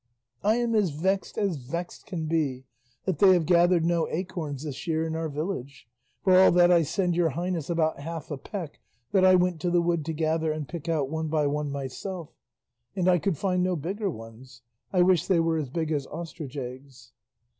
I am as vexed as vexed can be that they have gathered no acorns this year in our village; for all that I send your highness about half a peck that I went to the wood to gather and pick out one by one myself, and I could find no bigger ones; I wish they were as big as ostrich eggs.